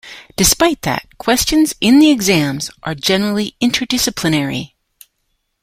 Despite that, questions in the exams are generally interdisciplinary.